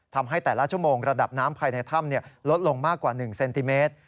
ทำให้แต่ละชั่วโมงระดับน้ำภายในถ้ำลดลงมากกว่า๑เซนติเมตร